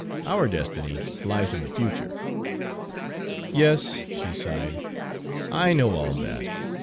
Our destiny lies in the future." "Yes," she sighed, "I know all that.